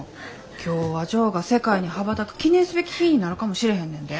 今日はジョーが世界に羽ばたく記念すべき日ぃになるかもしれへんねんで。